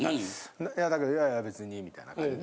いやだけどいやいや別にみたいな感じで。